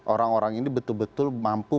orang orang ini betul betul mampu